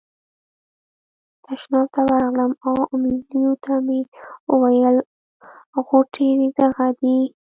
تشناب ته ورغلم او امیلیو ته مې وویل غوټې دغه دي.